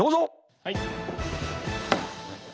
はい。